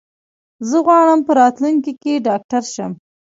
زه غواړم په راتلونکي کې ډاکټر شم.